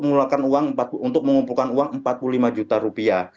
untuk mengumpulkan uang rp empat puluh juta